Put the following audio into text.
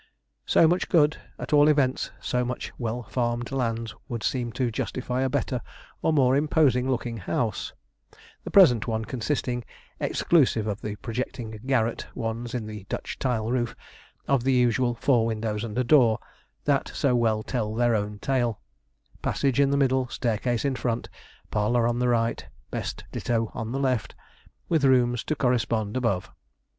So much good at all events, so much well farmed land would seem to justify a better or more imposing looking house, the present one consisting, exclusive of the projecting garret ones in the Dutch tile roof, of the usual four windows and a door, that so well tell their own tale; passage in the middle, staircase in front, parlour on the right, best ditto on the left, with rooms to correspond above.